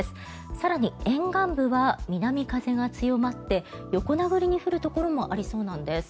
更に沿岸部は南風が強まって横殴りに降るところもありそうなんです。